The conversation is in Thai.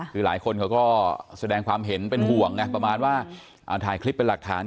คือหลายคนเขาก็แสดงความเห็นเป็นห่วงไงประมาณว่าถ่ายคลิปเป็นหลักฐาน